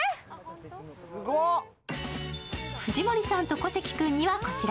藤森さんと小関君にはこちら。